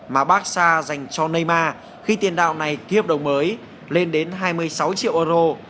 mà baxa dành cho neyma khi tiền đạo này ký hợp đồng mới lên đến hai mươi sáu triệu euro